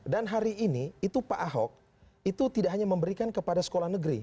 hari ini itu pak ahok itu tidak hanya memberikan kepada sekolah negeri